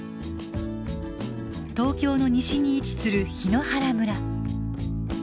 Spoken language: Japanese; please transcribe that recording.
東京の西に位置する檜原村。